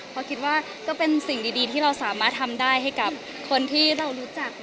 เพราะคิดว่าก็เป็นสิ่งดีที่เราสามารถทำได้ให้กับคนที่เรารู้จัก